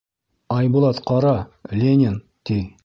— Айбулат, ҡара, Ленин, — ти.